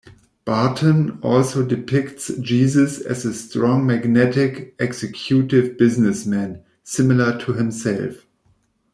Barton also depicts Jesus as a "strong magnetic" executive businessman, similar to himself.